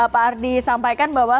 pak ardi sampaikan bahwa